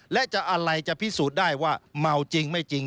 และอะไรจะพิสูจน์ได้ว่าเมาจริงไม่จริง